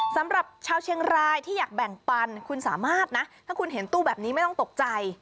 สำหรับชาวเชียงรายที่อยากแบ่งปันคุณสามารถนะถ้าคุณเห็นตู้แบบนี้ไม่ต้องตกใจ